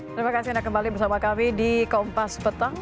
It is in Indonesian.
terima kasih anda kembali bersama kami di kompas petang